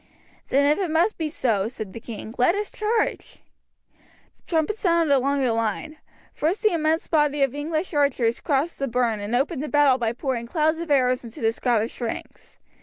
"Then if it must be so," said the king, "let us charge." The trumpet sounded along the line. First the immense body of English archers crossed the burn and opened the battle by pouring clouds of arrows into the Scottish ranks.